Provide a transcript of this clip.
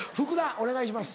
お願いします。